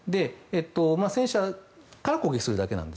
戦車が攻撃するだけなんです。